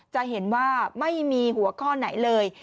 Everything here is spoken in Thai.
จะเห็นว่าไม่มีหัวข้อไหนเลย